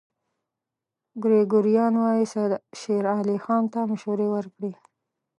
ګریګوریان وايي سید شېر علي خان ته مشورې ورکړې.